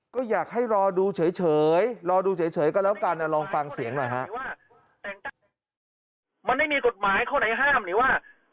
ก็อยากให้รอดูเฉยรอดูเฉยก็แล้วกันนะลองฟังเสียงหน่อยฮะ